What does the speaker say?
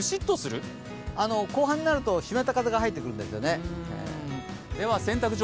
後半になると湿った風が入ってくるんですよね。